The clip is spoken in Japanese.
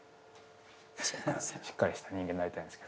しっかりした人間になりたいんすけど。